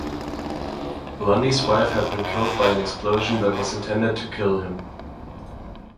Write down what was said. Lundy's wife had been killed by an explosion that was intended to kill him.